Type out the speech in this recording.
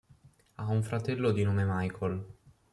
Ha un fratello di nome Michael.